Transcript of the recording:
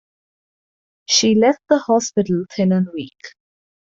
She left the hospital thin and weak.